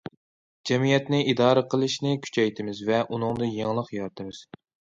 جەمئىيەتنى ئىدارە قىلىشنى كۈچەيتىمىز ۋە ئۇنىڭدا يېڭىلىق يارىتىمىز.